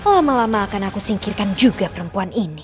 lama lama akan aku singkirkan juga perempuan ini